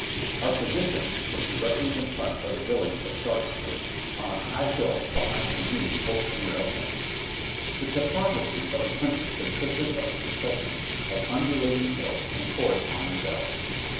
Our position was directly in front of the village of Sharpsburg on a high hill l>ehind a new post and rail fence. The topography cf the country consisted of a succession of undulating hills and corresponding valleys.